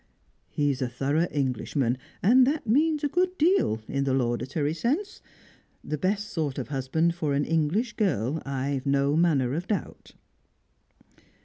"He's a thorough Englishman, and that means a good deal in the laudatory sense. The best sort of husband for an English girl, I've no manner of doubt."